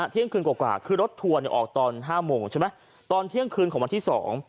เที่ยงคืนกว่าคือรถทัวร์ออกตอน๕โมงใช่ไหมตอนเที่ยงคืนของวันที่สอง